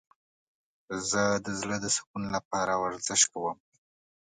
زه د زړه د سکون لپاره ورزش کوم.